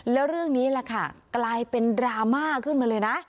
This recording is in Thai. แล้วเรื่องนี้แหละค่ะกลายเป็นดราม่าขึ้นมาเลยนะ